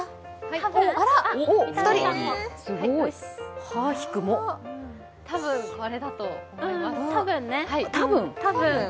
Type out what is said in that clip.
多分ね、多分これだと思います。